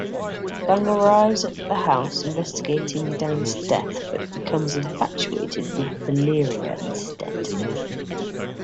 Bung arrives at the house, investigating Dann's death but becomes infatuated with Valeria instead.